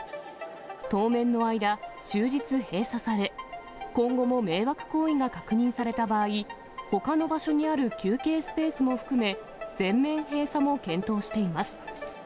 当面の間、終日閉鎖され、今後も迷惑行為が確認された場合、ほかの場所にある休憩スペースも含め、全面閉鎖も検討しています。